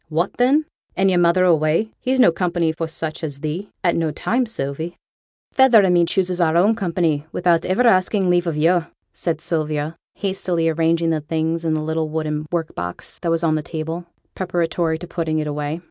'What then? and yo'r mother away. He's no company for such as thee, at no time, Sylvie.' 'Feyther and me chooses our own company, without iver asking leave o' yo',' said Sylvia, hastily arranging the things in the little wooden work box that was on the table, preparatory to putting it away.